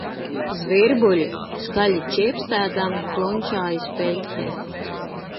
Zvirbuļi skaļi čiepstēdami plunčājās peļķē